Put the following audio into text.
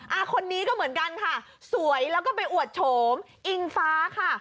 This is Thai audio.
คนนี้ก็เหมือนกันค่ะสวยแล้วก็ไปอวดโฉมอิงฟ้าค่ะ